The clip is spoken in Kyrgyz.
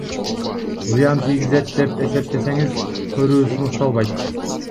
Зыян тийгизет деп эсептесеңиз, көрүү сунушталбайт.